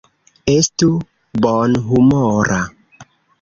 Estu bonhumora.